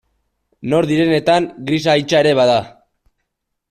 Nor direnetan grisa hitsa ere bada.